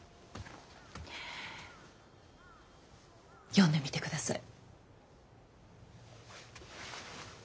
読んでみて下さい。